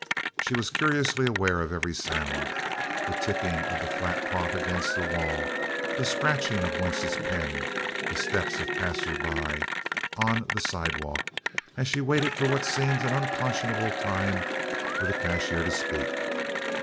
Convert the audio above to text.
She was curiously aware of every sound the ticking of the flat clock against the wall, the scratching of Wentz's pen, the steps of passersby on the sidewalk as she waited for what seemed an unconscionable time for the cashier to speak.